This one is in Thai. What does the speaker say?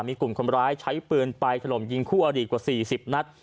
มีกลุ่มคนร้ายใช้ปืนไปถล่มยิงคู่อดีตกว่า๔๐นัด